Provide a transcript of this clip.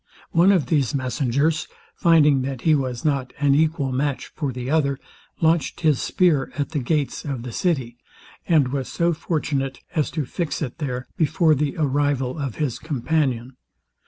One of these messengers, finding that he was not an equal match for the other, launched his spear at the gates of the city, and was so fortunate as to fix it there before the arrival of his companion.